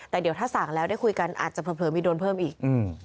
แต่เดี๋ยวถ้าสั่งแล้วได้คุยกันอาจจะเผลอมีโดนเพิ่มอีก